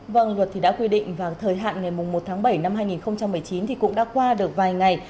vâng luật đã quy định và thời hạn ngày một tháng bảy năm hai nghìn một mươi chín cũng đã qua được vài ngày